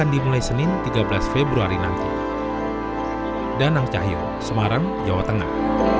anggota dpd akan dimulai senin tiga belas februari nanti